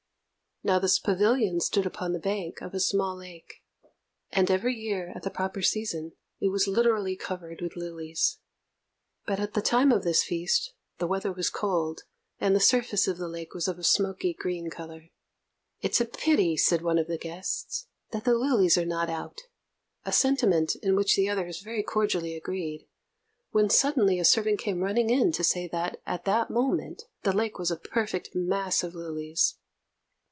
Now this Pavilion stood upon the bank of a small lake, and every year, at the proper season, it was literally covered with lilies; but, at the time of this feast, the weather was cold, and the surface of the lake was of a smoky green colour. "It's a pity," said one of the guests, "that the lilies are not out" a sentiment in which the others very cordially agreed, when suddenly a servant came running in to say that, at that moment, the lake was a perfect mass of lilies.